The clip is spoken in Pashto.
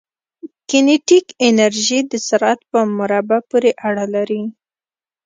کینیتیک انرژي د سرعت په مربع پورې اړه لري.